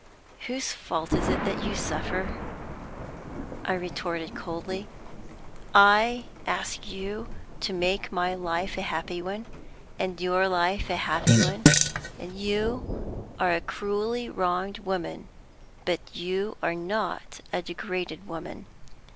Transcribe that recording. "Whose fault is it that you suffer?" I retorted, coldly. "I ask you to make my life a happy one, and your life a happy one. You are a cruelly wronged woman, but you are not a degraded woman.